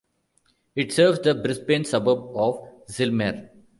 It serves the Brisbane suburb of Zillmere.